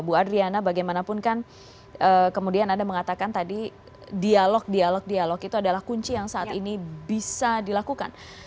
bu adriana bagaimanapun kan kemudian anda mengatakan tadi dialog dialog dialog itu adalah kunci yang saat ini bisa dilakukan